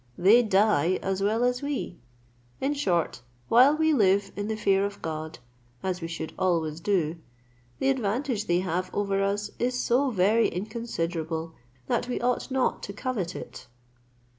They die as well as we. In short, while we live in the fear of God, as we should always do, the advantage they have over us is so very inconsiderable, that we ought not to covet it."